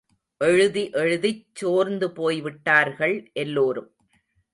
எழுதி எழுதிச் சோர்ந்துபோய்விட்டார்கள் எல்லோரும்.